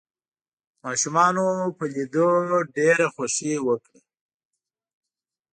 ماشومانو په ليدو ډېره خوښي وکړه.